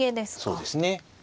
そうですね。